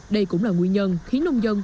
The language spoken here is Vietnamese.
đây cũng là nguyên nhân khiến nông dân